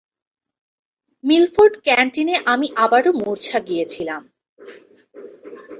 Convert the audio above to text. Milford ক্যান্টিনে আমি আবারো মূর্ছা গিয়েছিলাম।